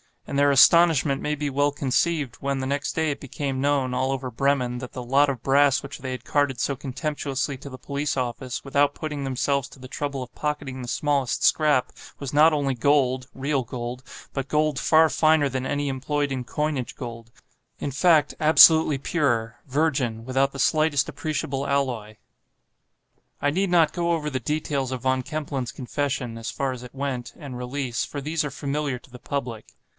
And their astonishment may be well conceived, when the next day it became known, all over Bremen, that the "lot of brass" which they had carted so contemptuously to the police office, without putting themselves to the trouble of pocketing the smallest scrap, was not only gold—real gold—but gold far finer than any employed in coinage—gold, in fact, absolutely pure, virgin, without the slightest appreciable alloy. I need not go over the details of Von Kempelen's confession (as far as it went) and release, for these are familiar to the public.